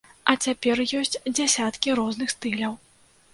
А цяпер ёсць дзясяткі розных стыляў.